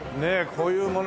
こういうもの。